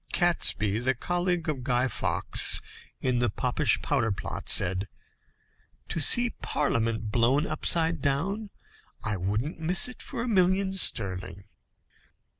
Catesby, the colleague of Guy Fawkes, in the Popish powder plot, said: "To see Parliament blown upside down, I wouldn't miss it for a million sterling."